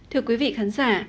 thưa quý vị khán giả